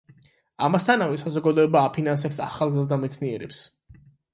ამასთანავე საზოგადოება აფინანსებს ახალგაზრდა მეცნიერებს.